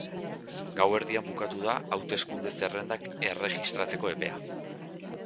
Gauerdian bukatu da hauteskunde zerrendak erregistratzeko epea.